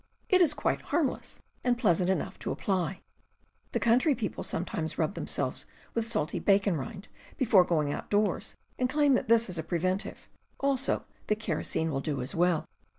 It is quite harmless, and pleasant enough to apply. The country people sometimes rub themselves with salty bacon rind before going outdoors, and claim that this is a preventive; also that kerosene will do as well.